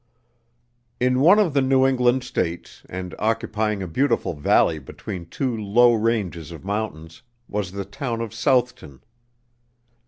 In one of the New England States, and occupying a beautiful valley between two low ranges of mountains, was the town of Southton.